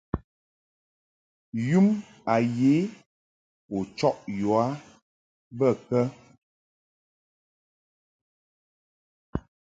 Yum a ye u chɔʼ yɔ a bə kə?